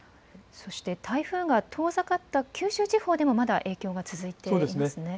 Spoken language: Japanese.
そして台風が遠ざかった、九州地方でもまだ影響が続いていまそうですね。